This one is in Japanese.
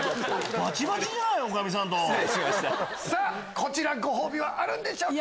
こちらご褒美はあるんでしょうか？